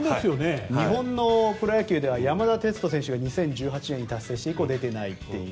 日本のプロ野球では山田哲人選手が２０１８年に達成して以降出ていないという。